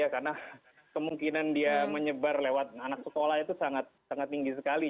karena kemungkinan dia menyebar lewat anak sekolah itu sangat tinggi sekali